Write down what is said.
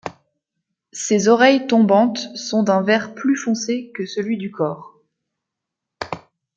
Ses oreilles tombantes sont d'un vert plus foncé que celui du corps.